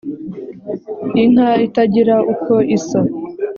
inka itagira uko isa